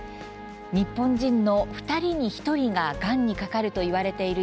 日本人の２人に１人ががんにかかるといわれている